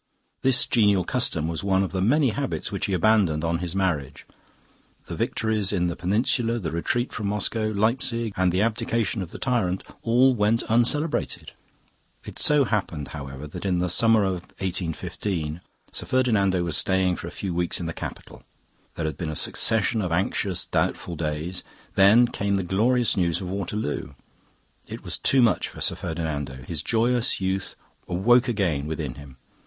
This genial custom was one of the many habits which he abandoned on his marriage. The victories in the Peninsula, the retreat from Moscow, Leipzig, and the abdication of the tyrant all went uncelebrated. It so happened, however, that in the summer of 1815 Sir Ferdinando was staying for a few weeks in the capital. There had been a succession of anxious, doubtful days; then came the glorious news of Waterloo. It was too much for Sir Ferdinando; his joyous youth awoke again within him.